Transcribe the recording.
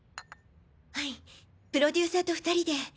はいプロデューサーと２人で。